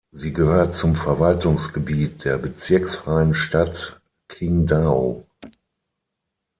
Sie gehört zum Verwaltungsgebiet der bezirksfreien Stadt Qingdao.